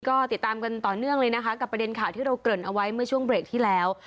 ก็ติดตามกันต่อเนื่องเลยนะคะกับประเด็นข่าวที่เราเกริ่นเอาไว้เมื่อช่วงเบรกที่แล้ว